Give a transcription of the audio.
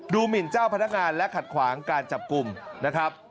หมินเจ้าพนักงานและขัดขวางการจับกลุ่มนะครับ